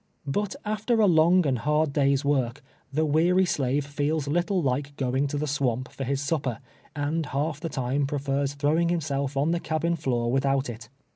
But after a long and hard day's W' ork, the weary slave feels little like going to the swamp for his sup})er, and half the time prefers throwing himself on the cabin floor with out it.